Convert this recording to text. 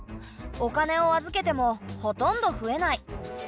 お金を預けてもほとんど増えない。